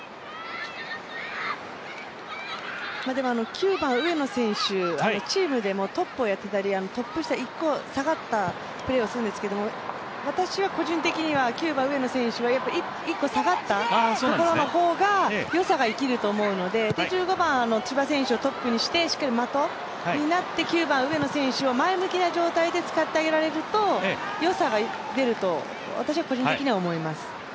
９番・上野選手、チームでもトップをやっていたり、トップ下、１個下がったプレーをするんですけれども、私は個人的には、上野選手は１個下がったところのほうがよさが生きると思うので、１５番・千葉選手をトップにしてしっかり的になって、９番・上野選手を前向きな状態で使ってあげられるとよさが出ると私は個人的には思います。